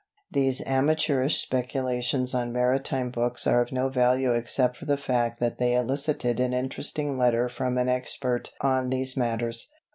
These amateurish speculations on maritime books are of no value except for the fact that they elicited an interesting letter from an expert on these matters.